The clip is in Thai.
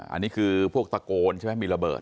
อันนี้คือพวกตะโกนใช่ไหมมีระเบิด